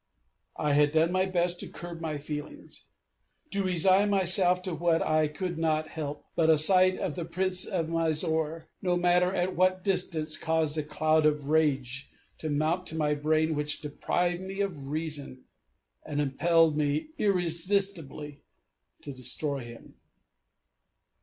I had done my best to curb my feelings, and resign myself to what I could not help; but a sight of the Prince of Mysore, no matter at what distance, caused a cloud of rage to mount to my brain which deprived me of reason, and impelled me irresistibly to destroy him.